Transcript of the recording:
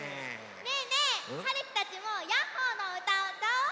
ねえねえはるきたちも「やっほー☆」のうたをうたおう！